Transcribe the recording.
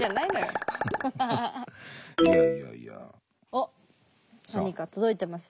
おっ何か届いてます。